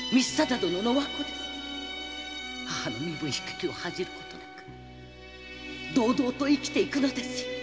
母の身分低きを恥じる事なく堂々と生きて行くのですよ